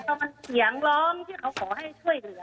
เพราะมันเสียงร้องที่เขาขอให้ช่วยเหลือ